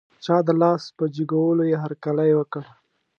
چا د لاس په جګولو یې هر کلی وکړ.